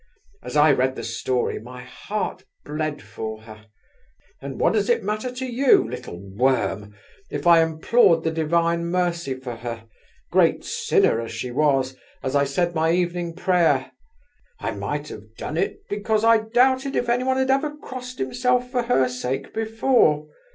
As I read the story my heart bled for her. And what does it matter to you, little worm, if I implored the Divine mercy for her, great sinner as she was, as I said my evening prayer? I might have done it because I doubted if anyone had ever crossed himself for her sake before.